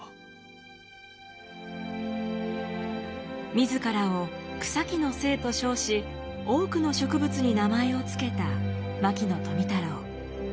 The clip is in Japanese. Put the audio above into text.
自らを草木の精と称し多くの植物に名前をつけた牧野富太郎。